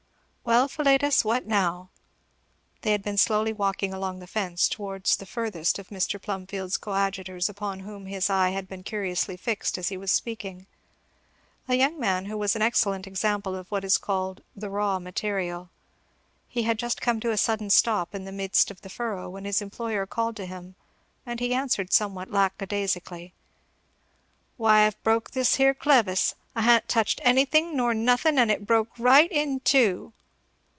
Well Philetus what now?" They had been slowly walking along the fence towards the furthest of Mr. Plumfield's coadjutors, upon whom his eye had been curiously fixed as he was speaking; a young man who was an excellent sample of what is called "the raw material." He had just come to a sudden stop in the midst of the furrow when his employer called to him; and he answered somewhat lack a daisically, "Why I've broke this here clevis I ha'n't touched anything nor nothing, and it broke right in teu!"